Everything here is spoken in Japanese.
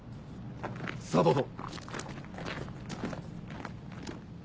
さあどうぞ。